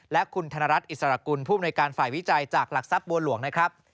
และคุณธนรัฐอิสระกุลผู้อำนวยการฝ่ายวิจัยจากหลักทรัพย์บัวหลวงนะครับ